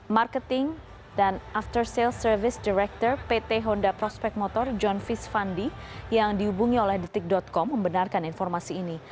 marketing dan after sale service director pt honda prospect motor john fisvandi yang dihubungi oleh detik com membenarkan informasi ini